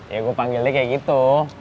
ya gue panggil dia kayak gitu